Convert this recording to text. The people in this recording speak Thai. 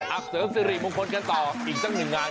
เสริมสิริมงคลกันต่ออีกสักหนึ่งงาน